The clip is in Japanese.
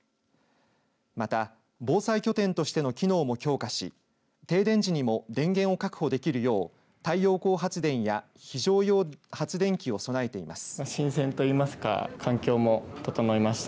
また、防災拠点としての機能も強化し停電時にも電源を確保できるよう太陽光発電や非常用発電機を備えています。